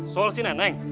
soal si neneng